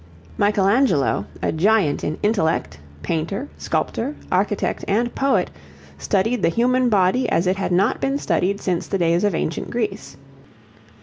Michelangelo, a giant in intellect, painter, sculptor, architect, and poet, studied the human body as it had not been studied since the days of ancient Greece.